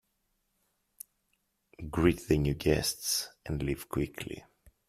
Greet the new guests and leave quickly.